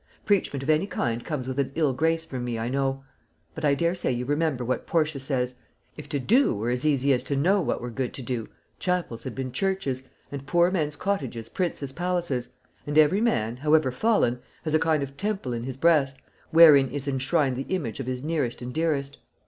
Preachment of any kind comes with an ill grace from me, I know; but I daresay you remember what Portia says: 'If to do were as easy as to know what were good to do, chapels had been churches, and poor men's cottages princes' palaces;' and every man, however fallen, has a kind of temple in his breast, wherein is enshrined the image of his nearest and dearest.